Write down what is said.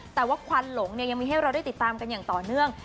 แต่ว่าควันหลงเนี่ยยังมีให้เราได้ติดตามกันอย่างต่อเนื่อง